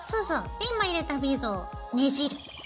で今入れたビーズをねじる。